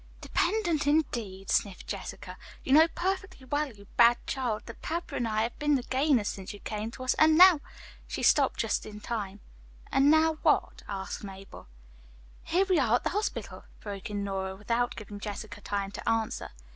"Dependent, indeed," sniffed Jessica. "You know perfectly well, you bad child, that papa and I have been the gainers since you came to us, and now " she stopped just in time. "'And now,' what?" asked Mabel. "Here we are at the hospital," broke in Nora without giving Jessica time to answer.